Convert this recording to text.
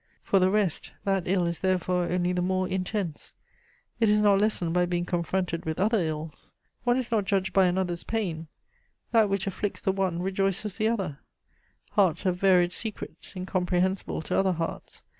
For the rest, that ill is therefore only the more intense: it is not lessened by being confronted with other ills; one is not judged by another's pain; that which afflicts the one rejoices the other; hearts have varied secrets, incomprehensible to other hearts.